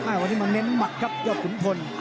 วันนี้มาเน้นหมัดครับยอดขุนพล